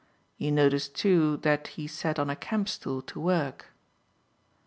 You notice, too, that he sat on a camp stool to work."